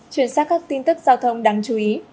chuyển sang các tin tức giao thông đáng chú ý